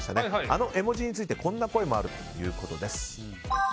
あの絵文字についてこんな声もあるということです。